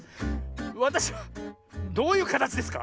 わたしはどういうかたちですか？